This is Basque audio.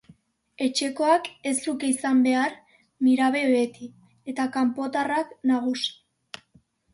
Etxekoak ez luke izan behar mirabe beti, eta kanpotarrak nagusi.